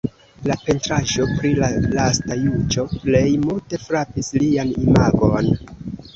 La pentraĵo pri la Lasta Juĝo plej multe frapis lian imagon.